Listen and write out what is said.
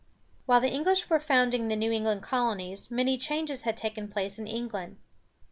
While the English were founding the New England colonies, many changes had taken place in England.